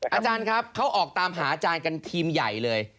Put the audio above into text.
อาจารย์ครับเขาออกตามหาอาจารย์กันทีมใหญ่เลย